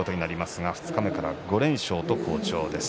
二日目から５連勝と好調です。